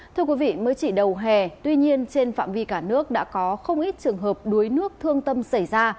thưa quý vị mới chỉ đầu hè tuy nhiên trên phạm vi cả nước đã có không ít trường hợp đuối nước thương tâm xảy ra